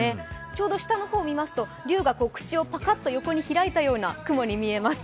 ちょうど下の方を見ますと龍が口をパカッと開いたような雲に見えます。